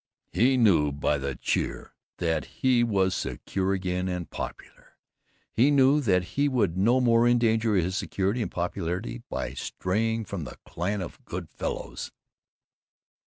He knew by the cheer that he was secure again and popular; he knew that he would no more endanger his security and popularity by straying from the Clan of Good Fellows.